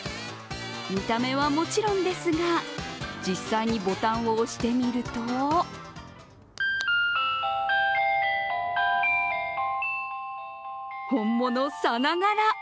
見た目はもちろんですが、実際にボタンを押してみると本物さながら。